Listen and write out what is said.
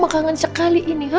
kangen sekali ini